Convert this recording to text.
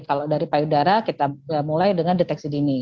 kalau dari payudara kita mulai dengan deteksi dini